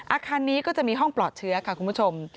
อาคารนี้ก็จะมีห้องปลอดเชื้อค่ะคุณผู้ชม